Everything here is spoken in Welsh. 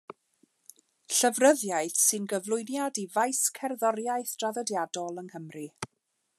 Llyfryddiaeth sy'n gyflwyniad i faes cerddoriaeth draddodiadol yng Nghymru.